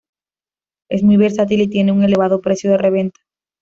Es muy versátil y tiene un elevado precio de reventa.